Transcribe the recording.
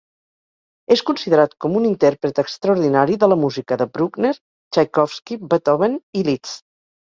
És considerat com un intèrpret extraordinari de la música de Bruckner, Txaikovski, Beethoven i Liszt.